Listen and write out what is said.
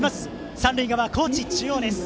三塁側、高知中央。